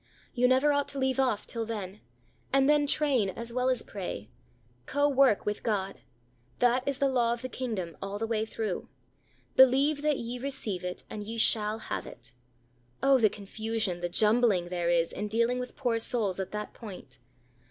You never ought to leave off till then, and then train as well as pray co work with God: that is the law of the kingdom, all the way through. Believe that ye receive it, and ye shall have it. Oh! the confusion, the jumbling there is, in dealing with poor souls at that point.